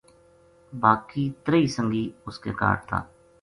باقی تریہی سنگی اس کے کاہڈ تھا